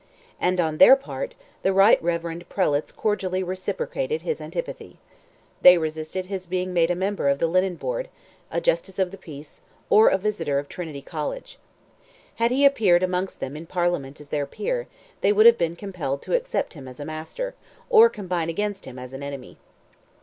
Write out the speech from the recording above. And on their part, the right reverend prelates cordially reciprocated his antipathy. They resisted his being made a member of the Linen Board, a Justice of the Peace, or a Visitor of Trinity College. Had he appeared amongst them in Parliament as their peer, they would have been compelled to accept him as a master, or combine against him as an enemy.